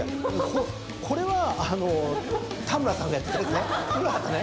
これはあの田村さんがやってた古畑ね。